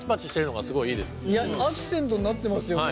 アクセントになってますよね？